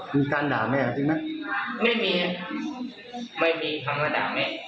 มีการด่าแม่จริงไหมไม่มีนะไม่มีธรรมดาแม่